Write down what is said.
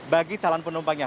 bagi calon penumpangnya